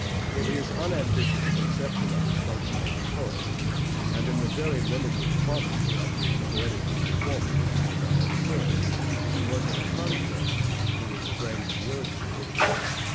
In his unambitious conception of his function as a poet, and in the very limited quantity of his poetical performance, as I have said, he was a contrast to his friend Wordsworth.